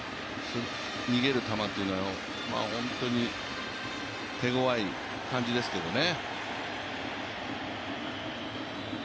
逃げる球というのは、本当に手ごわい感じですけどね。